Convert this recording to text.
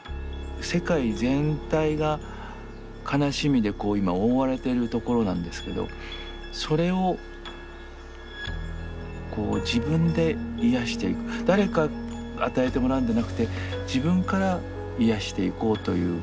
世界全体が悲しみでこう今覆われてるところなんですけどそれをこう自分で癒やしていく誰か与えてもらうんではなくて自分から癒やしていこうという。